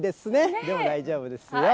でも大丈夫ですよ。